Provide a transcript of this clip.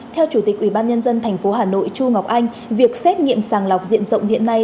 theo chủ tịch ubnd tp hà nội chu ngọc anh việc xét nghiệm sàng lọc diện rộng hiện nay